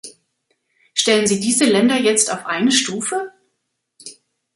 Stellen Sie diese Länder jetzt auf eine Stufe?